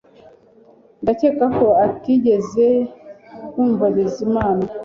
Ndakeka ko utigeze wumva Bizimana